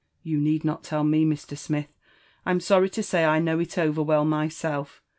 •' You need not tell me that, Mr. Smith, — I'm* sorry to say I know it over well myself.